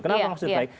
kenapa maksud baik